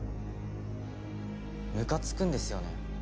むかつくんですよね。